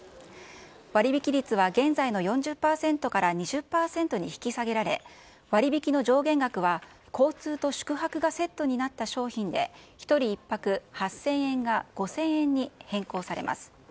割引率は現在の４０％から２０％に引き下げられ、割引の上限額は、交通と宿泊がセットになった商品で、１人１泊８０００円が５０００円に変更されます。